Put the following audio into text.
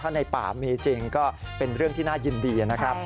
ถ้าในป่ามีจริงก็เป็นเรื่องที่น่ายินดีนะครับ